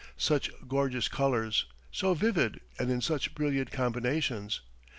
Such gorgeous colours so vivid and in such brilliant combinations!